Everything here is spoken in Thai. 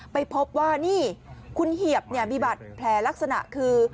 ไปพบว่านี่คุณเหยียบมีบัตรแผลลักษณะคือ